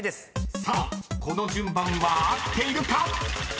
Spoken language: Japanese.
［さあこの順番は合っているか⁉］